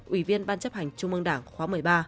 ủy viên ban chấp hành trung ương đảng khóa một mươi ba